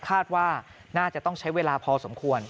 คาดว่าน่าจะต้องใช้เวลาพอสมควร